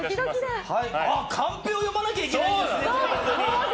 カンペを読まなきゃいけないんですね！